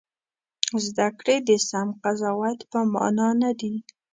زده کړې د سم قضاوت په مانا نه دي.